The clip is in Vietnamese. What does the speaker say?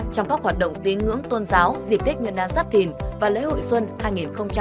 trong các hoạt động tín ngưỡng tôn giáo dịp tết nguyên đán giáp thìn và lễ hội xuân hai nghìn hai mươi bốn